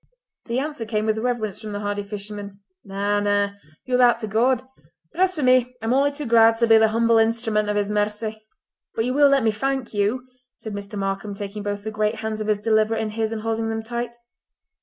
The answer came with reverence from the hardy fisherman, "Na! Na! Ye owe that to God; but, as for me, I'm only too glad till be the humble instrument o' His mercy." "But you will let me thank you," said Mr. Markam, taking both the great hands of his deliverer in his and holding them tight.